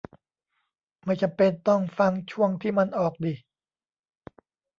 ไม่จำเป็นต้องฟังช่วงที่มันออกดิ